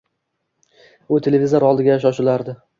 U televizor oldiga shoshilardi